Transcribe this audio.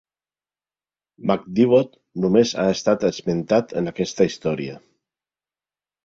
McDivot només ha estat esmentat en aquesta història.